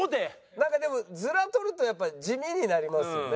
なんかでもヅラ取るとやっぱ地味になりますよね。